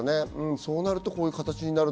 そうなるとこういう形になる。